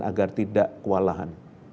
agar tidak kewalahan